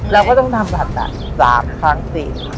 เราก็ต้องทำผลักษณะ๓ข้าง๔เหมือนกัน